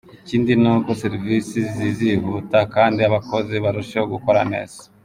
Ikindi ni uko serivisi zizihuta kandi abakozi barusheho gukora neza.